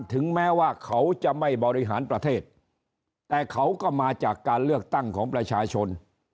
ถึงแม้ว่าเขาจะไม่บริหารประเทศแต่เขาก็มาจากการเลือกตั้งของประชาชน